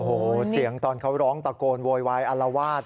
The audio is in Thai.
โอ้โฮเสียงตอนเขาร้องตะโกนเฮวอลวาด